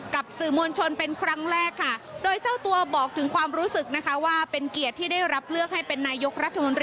กับสื่อมวลชนเป็นครั้งแรก